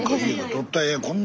撮ったらええやん。